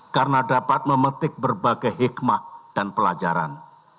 karena dapat memetik berbagai hikmah dan pelajaran